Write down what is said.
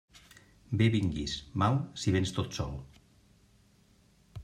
Bé vinguis, mal, si véns tot sol.